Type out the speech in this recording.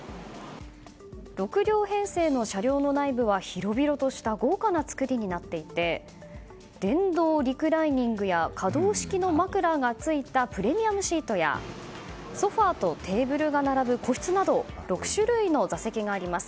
６両編成の車両の内部は広々とした豪華な造りになっていて電動リクライニングや可動式の枕がついたプレミアムシートやソファとテーブルが並ぶ個室など６種類の座席があります。